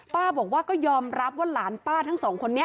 ป้าบอกว่าก็ยอมรับว่าหลานป้าทั้งสองคนนี้